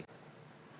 karena di kuartal